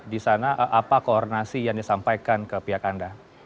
di sana apa koordinasi yang disampaikan ke pihak anda